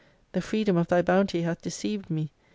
The freedom of thy bounty hath deceived me.